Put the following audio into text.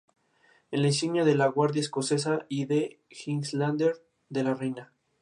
Es la insignia de La Guardia Escocesa y de los Highlanders de la reina.